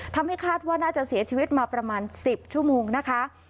คาดว่าน่าจะเสียชีวิตมาประมาณ๑๐ชั่วโมงนะคะ